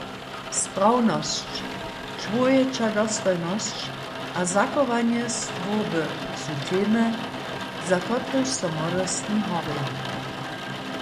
Sprawnosć, čłowječa dostojnosć a zachowanje stwórby su temy, za kotrež so młodostni horja.